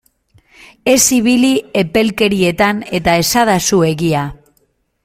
Ez ibili epelkerietan eta esadazu egia!